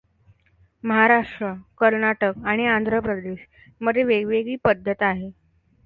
महाराष्ट्, कर्नाटक आणि आंध्रप्रदेश मध्ये वेगवेगळी पद्धत आहे.